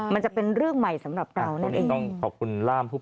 มันจะเป็นเรื่องใหม่สำหรับเรานะ